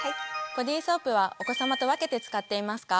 ボディソープはお子さまと分けて使っていますか？